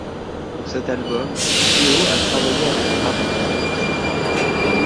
Pour cet album, Kyo a travaillé avec Mark Plati.